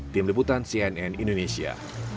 tim liputan cnn indonesia